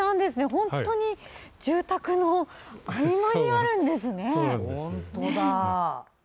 本当に住宅の合間にあるんですね。